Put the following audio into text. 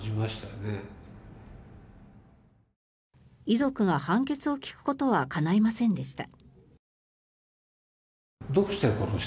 遺族が判決を聞くことはかないませんでした。